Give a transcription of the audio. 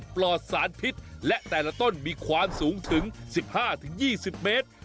ปลอดสารพิษและแต่ละต้นมีความสูงถึง๑๕๒๐เมตร